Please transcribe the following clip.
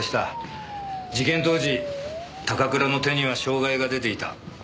事件当時高倉の手には障害が出ていた。